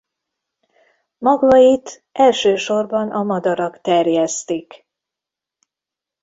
Magvait elsősorban a madarak terjesztik.